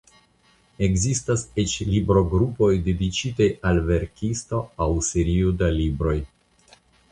Ekzistas eĉ librogrupoj dediĉitaj al verkisto aŭ serio da libroj.